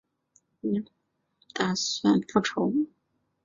番歆之弟番苗打算复仇。